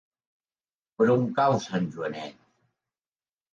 Per on cau Sant Joanet?